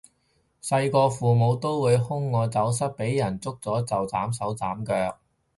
細個父母都會兇我走失畀人捉咗就斬手斬腳